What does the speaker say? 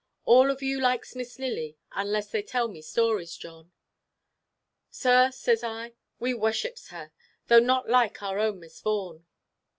All of you likes Miss Lily, unless they tell me stories, John.' 'Sir,' says I, 'we wusships her, though not like our own Miss Vaughan.